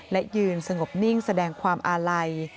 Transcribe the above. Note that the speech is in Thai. และยืนสงบนิ่งแสดงความอาลัย